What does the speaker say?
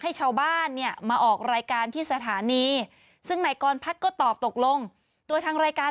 ให้ชาวบ้านเนี่ยมาออกรายการที่สถานีซึ่งนายกรพัฒน์ก็ตอบตกลงตัวทางรายการ